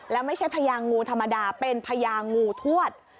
แล้วไม่ใช่พญางูธรรมดาเป็นพญางูทวด